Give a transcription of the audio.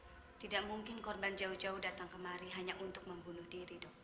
hai tidak mungkin korban jauh jauh datang kemari hanya untuk membunuh diri dokter